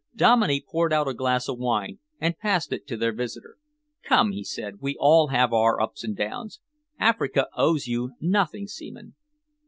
Dominey poured out a glass of wine and passed it to their visitor. "Come," he said, "we all have our ups and downs. Africa owes you nothing, Seaman."